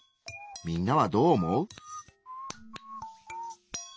みんなはどう思う？